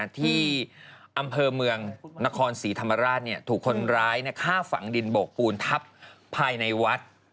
ที่อำเภอเมืองนครศรีธรรมราชถูกคนร้ายฆ่าฝังดินโบกปูนทับภายในวัด